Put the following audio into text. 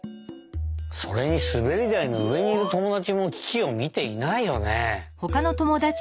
それにすべりだいのうえにいるともだちもキキをみていないよね？